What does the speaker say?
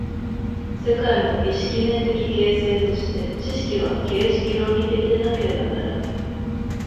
世界の意識面的形成として、知識は形式論理的でなければならない。